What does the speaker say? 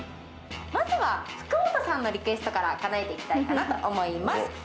まずは福本さんのリクエストからかなえていきたいと思います。